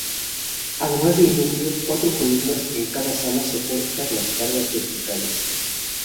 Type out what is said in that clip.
Además del núcleo, cuatro columnas en cada ala soportan las cargas verticales.